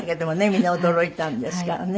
みんな驚いたんですからね。